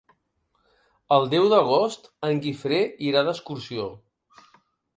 El deu d'agost en Guifré irà d'excursió.